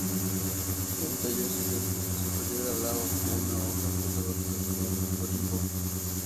El tallo superior alado como una hoja por debajo del corimbo.